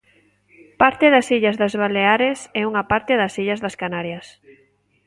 Parte das illas das Baleares e unha parte das illas das Canarias.